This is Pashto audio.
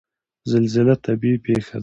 زلزله طبیعي پیښه ده